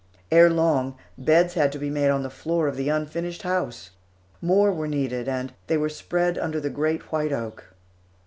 Ere long, beds had to be made on the floor of the unfinished house. More were needed, and they were spread under the great white oak.